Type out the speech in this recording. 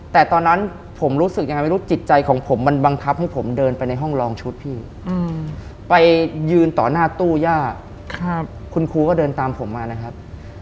แต่ตอนนั้นผมรู้สึกยังไงไม่รู้จิตใจของผมมันบังคับให้ผมเดินไปในห้องลองชุดพี่ไปยืนต่อหน้าตู้ย่าคุณครูก็เดินตามผมมานะครับ